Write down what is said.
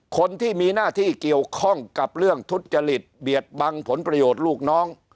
คนที่มีหน้าที่เกี่ยวข้องกับเรื่องทุจจริตเบียดบังผลประโยชน์ลูกน้อง